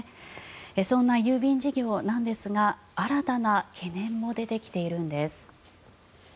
そんな郵便事業ですが新たな懸念も出てきているんです。